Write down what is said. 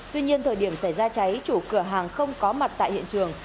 tuy nhiên thời điểm xảy ra cháy chủ cửa hàng không có mặt tại hiện trường